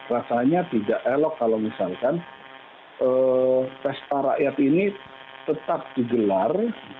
rasanya tidak elok kalau misalkan pesta rakyat ini tetap digelar